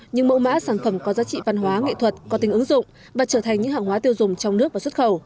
những mẫu mã sản phẩm có giá trị văn hóa nghệ thuật có tính ứng dụng và trở thành những hàng hóa tiêu dùng trong nước và xuất khẩu